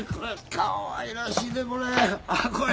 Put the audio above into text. かわいらしいでこれ。